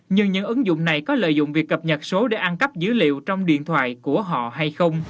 nhưng những ứng dụng này có lợi dụng việc cập nhật số để ăn cắp dữ liệu trong điện thoại của họ hay không